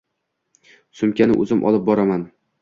Sumkani o'zim olib boraman.